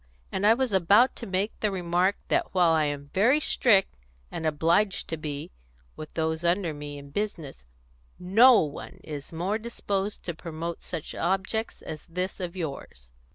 And I was about to make the remark that while I am very strict and obliged to be with those under me in business, no one is more disposed to promote such objects as this of yours."